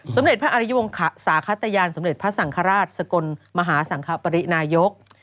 สมเด็จพระสาขตยานสมเด็จพระสังฆราชสกลมหาสังคปรินายก